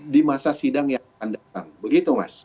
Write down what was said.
di masa sidang yang akan datang begitu mas